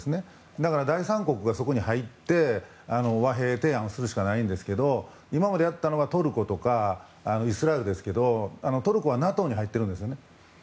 だから第三国がそこに入って和平提案をするしかないんですけど今までやったのはトルコとかイスラエルですけどトルコはＮＡＴＯに入ってるんですよね。